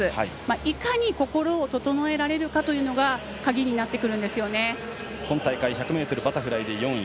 いかに心を整えられるかというのが今大会１００ｍバタフライで４位。